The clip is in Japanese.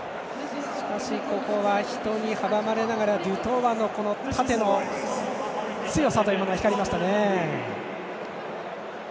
しかし、ここは人に阻まれながらデュトイの縦の強さが光りましたね。